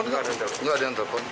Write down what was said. nggak ada yang telepon